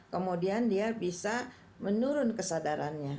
kemudian dia bisa menurun kesadarannya